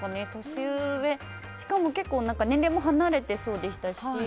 年上、しかも結構年齢も離れてそうでしたし